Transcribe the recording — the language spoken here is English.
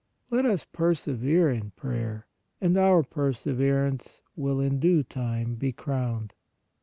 Let us perse vere in prayer, and our perseverance will in due time be crowned.